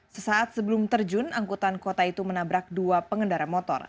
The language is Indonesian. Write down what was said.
sesaat sebelum terjun angkutan kota itu menabrak dua pengendara motor